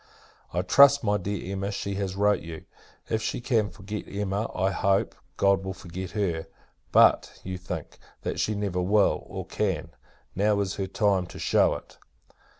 I trust, my dear Emma, she has wrote you. If she can forget Emma, I hope, God will forget her! But, you think, that she never will, or can. Now is her time to shew it.